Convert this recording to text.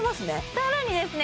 さらにですね